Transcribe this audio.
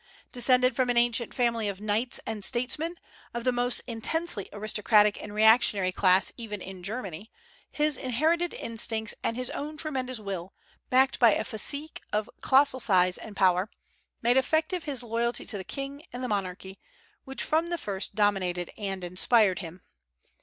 Descended from an ancient family of knights and statesmen, of the most intensely aristocratic and reactionary class even in Germany, his inherited instincts and his own tremendous will, backed by a physique of colossal size and power, made effective his loyalty to the king and the monarchy, which from the first dominated and inspired him.